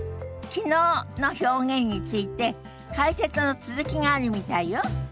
「昨日」の表現について解説の続きがあるみたいよ。